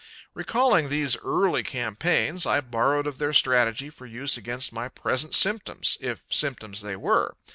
Recalling these early campaigns, I borrowed of their strategy for use against my present symptoms if symptoms they were.